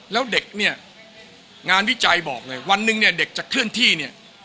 แล้วเด็กเนี่ยงานวิจัยบอกเลยวันหนึ่งเนี่ยเด็กจะเคลื่อนที่เนี่ย